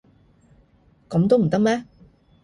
噉都唔得咩？